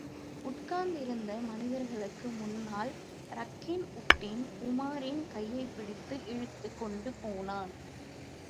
உட்கார்ந்திருந்த மனிதர்களுக்கு முன்னால், ரக்கின் உட்டின் உமாரின் கையைப் பிடித்து இழுத்துக் கொண்டு போனான்.